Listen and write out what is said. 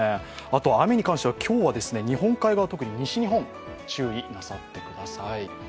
あとは雨に関しては今日は日本海側、特に西日本注意なさってください。